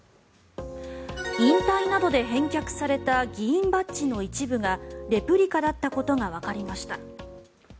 引退などで返却された議員バッジの一部がレプリカだったことがわかりました。